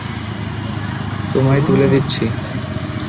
তোমায় তুলে দিচ্ছি।